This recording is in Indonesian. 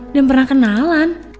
dan pernah kenalan